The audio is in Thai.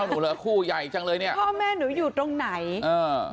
หนูเหลือคู่ใหญ่จังเลยเนี้ยพ่อแม่หนูอยู่ตรงไหนอ่า